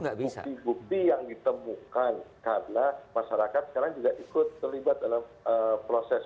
bukti bukti yang ditemukan karena masyarakat sekarang juga ikut terlibat dalam proses